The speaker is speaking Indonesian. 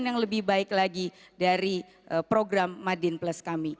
yang lebih baik lagi dari program madin plus kami